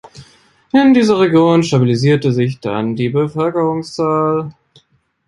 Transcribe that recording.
In dieser Region stabilisierte sich dann die Bevölkerungszahl.